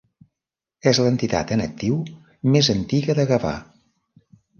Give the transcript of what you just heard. És l'entitat en actiu més antiga de Gavà.